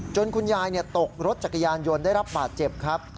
คุณยายตกรถจักรยานยนต์ได้รับบาดเจ็บครับ